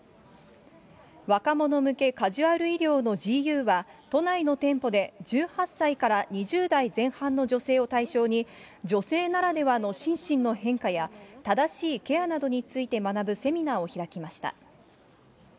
若者向けカジュアル衣料のＧＵは、都内の店舗で１８歳から２０代前半の女性を対象に、女性ならではの心身の変化や、正しいケアなどについて学ぶセミナーを開きました。